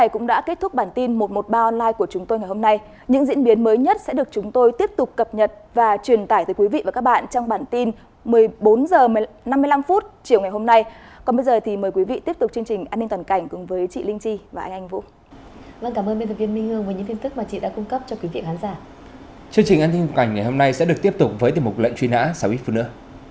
chương trình an ninh toàn cảnh ngày hôm nay sẽ được tiếp tục với tiềm mục lệnh truy nã sáu x phụ nữ